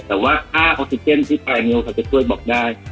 แต่ว่าค่าออกซิเซียนที่ปลายเงินก็จะช่วยบอกได้